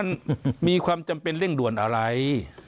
มันมีความจำเป็นเร่งด่วนอะไร